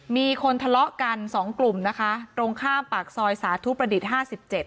มีคนทะเลาะกันสองกลุ่มนะคะตรงข้ามปากซอยสาธุประดิษฐ์ห้าสิบเจ็ด